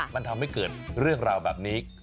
มันทำให้เกิดเรื่องราวแบบนี้